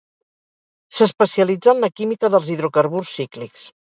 S'especialitzà en la química dels hidrocarburs cíclics.